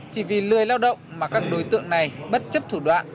chỉ vì lười lao động mà các đối tượng này bất chấp thủ đoạn